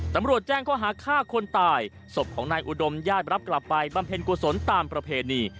ตำรวจแจ้งข้อหาฆ่าคนตายศพของนายอุดมญาติรับกลับไปบำเพ็ญกุศลตามประเพณี